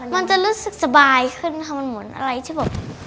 มันจะรู้สึกสบายขึ้นค่ะมันเหมือนอะไรที่แบบ